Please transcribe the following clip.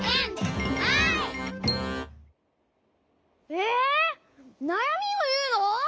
えなやみをいうの？